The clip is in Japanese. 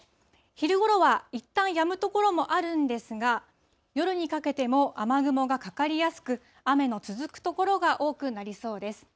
昼ごろはいったんやむ所があるんですが、夜にかけても雨雲がかかりやすく、雨の続く所が多くなりそうです。